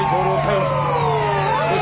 よし。